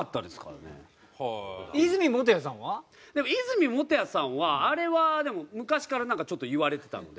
和泉元彌さんはあれはでも昔からなんかちょっと言われてたので。